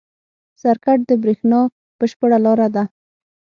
سرکټ د برېښنا بشپړ لاره ده.